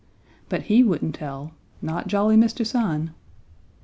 But he wouldn't tell, not jolly Mr. Sun!